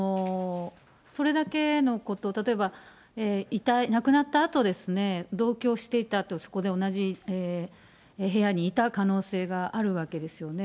それだけのこと、例えば、亡くなったあとですね、同居をしていたと、そこで同じ部屋にいた可能性があるわけですよね。